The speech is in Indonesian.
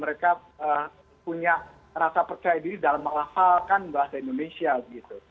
mereka punya rasa percaya diri dalam menghafalkan bahasa indonesia gitu